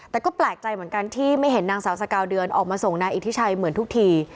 แต่ก็แปลกใจเหมือนกันที่ไม่เห็นนางสาวสกาวเดือนออกมาส่งนายอิทธิชัยเหมือนทุกที